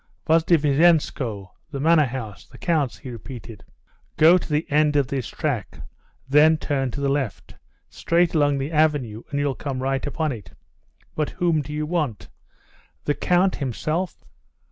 "Vozdvizhenskoe, the manor house? the count's?" he repeated; "go on to the end of this track. Then turn to the left. Straight along the avenue and you'll come right upon it. But whom do you want? The count himself?"